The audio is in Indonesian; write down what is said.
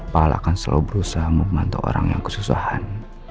paal akan selalu berusaha membantu orang yang kesusahan